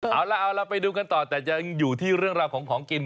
เอาล่ะเอาเราไปดูกันต่อแต่ยังอยู่ที่เรื่องราวของของกิน